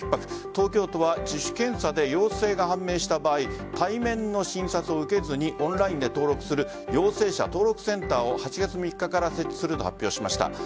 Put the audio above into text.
東京都は自主検査で陽性が判明した場合対面の診察を受けずにオンラインで登録する陽性者登録センターを８月３日から設置すると発表しました。